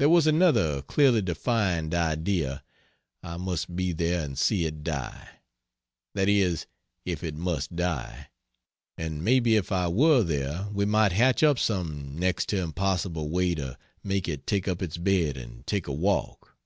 There was another clearly defined idea I must be there and see it die. That is, if it must die; and maybe if I were there we might hatch up some next to impossible way to make it take up its bed and take a walk.